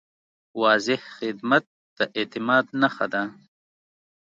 واضح خدمت د اعتماد نښه ده.